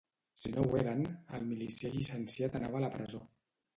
Si no ho eren, el milicià llicenciat anava a la presó.